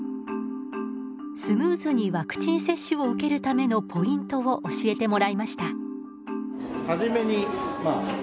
スムーズにワクチン接種を受けるためのポイントを教えてもらいました。